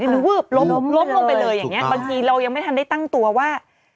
แล้วล้มลงไปเลยบางทีเรายังไม่ได้ตั้งตัวว่า